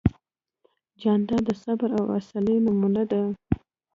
جانداد د صبر او حوصلې نمونه ده.